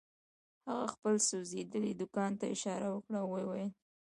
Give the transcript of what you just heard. هغه خپل سوځېدلي دوکان ته اشاره وکړه او ويې ويل.